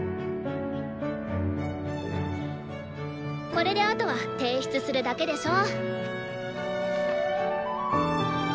これであとは提出するだけでしょ？